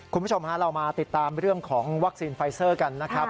คุณผู้ชมฮะเรามาติดตามเรื่องของวัคซีนไฟเซอร์กันนะครับ